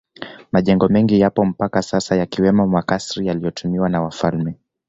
Majengo mengi yapo mpaka sasa yakiwemo makasri yaliyotumiwa na wafalme